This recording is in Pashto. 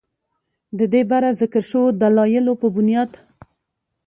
ددې بره ذکر شوو دلايلو پۀ بنياد